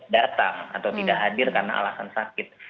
datang atau tidak hadir karena alasan sakit